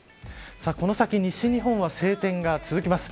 この先西日本は晴天が続きます。